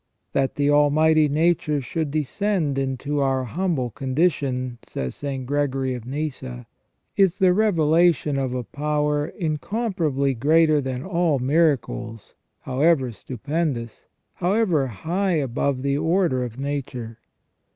" That the Almighty nature should descend into our humble condition," says St. Gregory of Nyssa, " is the revelation of a power incomparably greater than all miracles, however stupendous, however high above the order of nature.